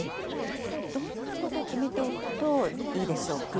実際どんなことを決めておくといいでしょうか。